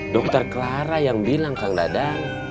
dokter clara yang bilang kang dadang